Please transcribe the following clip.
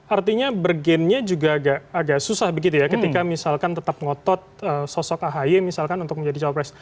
artinya bergennya juga agak susah begitu ya ketika misalkan tetap ngotot sosok ahy misalkan untuk menjadi cawapres